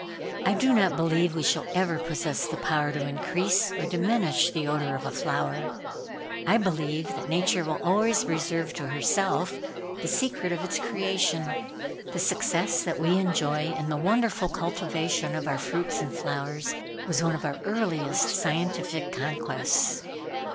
I do not believe we shall ever possess the power to increase or diminish the odor of a flower. I believe that Nature will always reserve to herself the secret of its creation. The success that we enjoy in the wonderful cultivation of our fruits and flowers was one of our earliest scientific conquests."